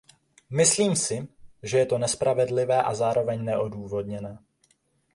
Myslím si, že je to nespravedlivé a zároveň neodůvodněné.